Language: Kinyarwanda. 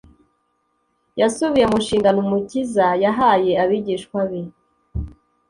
Yasubiye mu nshingano Umukiza yahaye abigishwa be